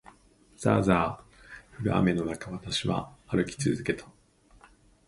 ざあざあ降る雨の中を、私は歩き続けた。